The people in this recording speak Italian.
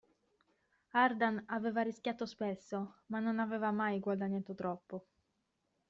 Ardan aveva rischiato spesso, ma non aveva mai guadagnato troppo.